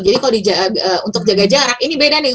jadi untuk jaga jarak ini beda nih